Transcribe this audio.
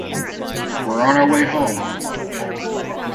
We're on our way home.